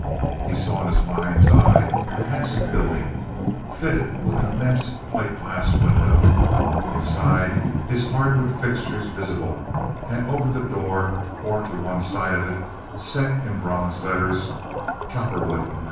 He saw in his mind's eye a handsome building, fitted with an immense plate glass window; inside his hardwood fixtures visible; and over the door, or to one side of it, set in bronze letters, Cowperwood & Co.